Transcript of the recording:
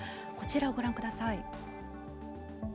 こちらをご覧ください。